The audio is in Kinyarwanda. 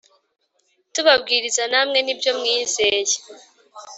Tubabwiriza namwe nibyo mwizeye.